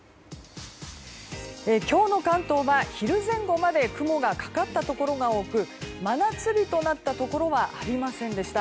今日の関東は昼前後まで雲がかかったところが多く真夏日となったところはありませんでした。